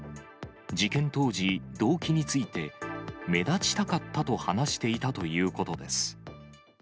事件当時、動機について、目立ちたかったと話していたということです。